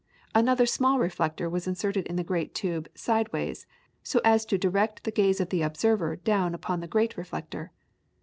Another small reflector was inserted in the great tube sideways, so as to direct the gaze of the observer down upon the great reflector.